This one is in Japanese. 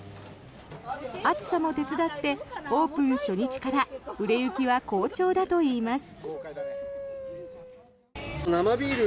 暑さも手伝ってオープン初日から売れ行きは好調だといいます。